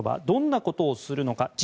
どんなことをするのか。